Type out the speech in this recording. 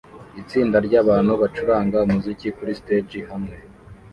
Itsinda ryabantu bacuranga umuziki kuri stage hamwe